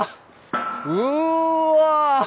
うわ！